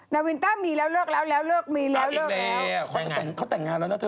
นาวินต้ามีแล้วเลิกแล้วเลิกมีแล้วเค้าจะแต่งงานแล้วนะเถอะ